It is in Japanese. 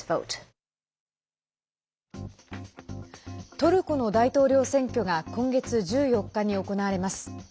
トルコの大統領選挙が今月１４日に行われます。